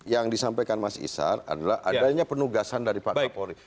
yang disampaikan mas isar adalah adanya penugasan dari pak kapolri